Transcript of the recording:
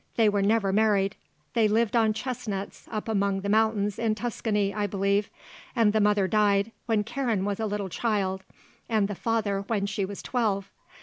They were never married. They lived on chestnuts up among the mountains in Tuscany, I believe, and the mother died when Karen was a little child and the father when she was twelve.